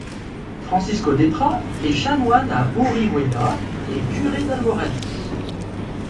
Francisco Desprats est chanoine à Orihuela et curé d'Almoradi.